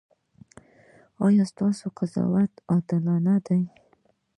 ایا ستاسو قضاوت عادلانه دی؟